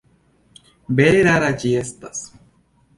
Vere rara ĝi estas.